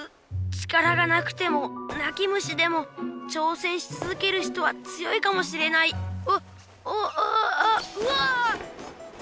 力がなくてもなき虫でもちょうせんしつづける人は強いかもしれないわっおっああうわ！